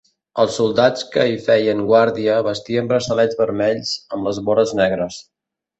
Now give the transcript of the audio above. Els soldats que hi feien guàrdia vestien braçalets vermells amb les vores negres.